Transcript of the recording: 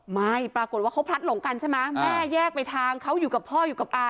ไม่ปรากฏว่าเขาพลัดหลงกันใช่ไหมแม่แยกไปทางเขาอยู่กับพ่ออยู่กับอา